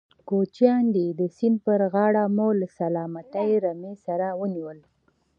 کوچيان دي، د سيند پر غاړه مو له سلامتې رمې سره ونيول.